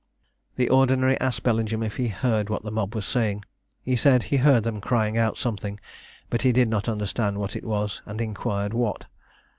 The ordinary asked Bellingham if he heard what the mob were saying. He said he heard them crying out something, but he did not understand what it was, and inquired what.